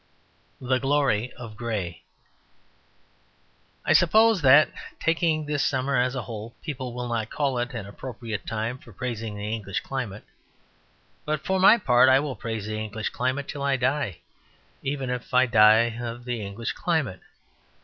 The Glory of Grey I suppose that, taking this summer as a whole, people will not call it an appropriate time for praising the English climate. But for my part I will praise the English climate till I die even if I die of the English climate.